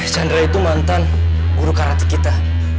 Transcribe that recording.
chandra itu mantan guru karate kita